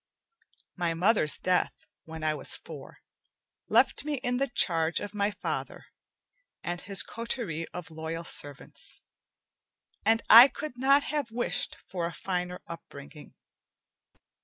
My mother's death, when I was four, left me in the charge of my father and his coterie of loyal servants, and I could not have wished for a finer upbringing.